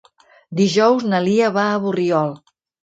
Dijous na Lia va a Borriol.